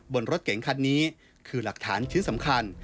บนรถเก๋งคันนี้คือหลักฐานชิ้นสำคัญ